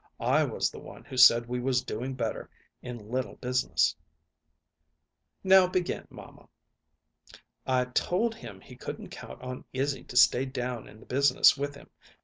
I was the one who said we was doing better in little business." "Now begin, mamma!" "I told him he couldn't count on Izzy to stay down in the business with him.